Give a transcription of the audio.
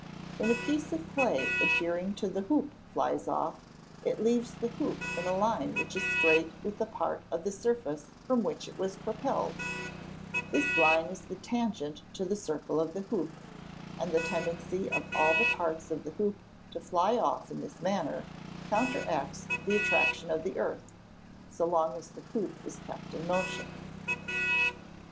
When a piece of clay adhering to the hoop flies off, it leaves the hoop in a line which is straight with the part of the surface from which it was propelled; this line is the tangent to the circle of the hoop; and the tendency of all the parts of the hoop to fly off in this manner, counteracts the attraction of the earth, so long as the hoop is kept in motion.